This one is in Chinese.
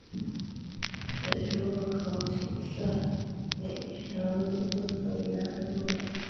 此出入口只设北行入口与南行出口。